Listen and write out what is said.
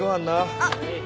あっ。